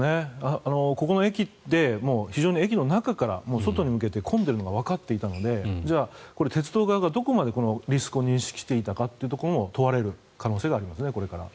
ここの駅で非常に駅の中から外に向けて混んでいるのがわかっていたので鉄道側がどこまでリスクを認識していたかというところもこれから問われる可能性がありますね。